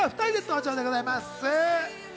今日は２人で登場でございます。